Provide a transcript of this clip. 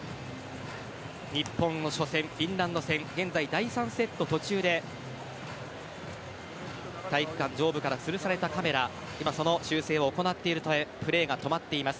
日本の初戦・フィンランド戦現在、第３セット途中で体育館上部からつるされたカメラその修正を行っているためプレーが止まっています。